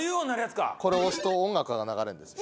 これを押すと音楽が流れるんです。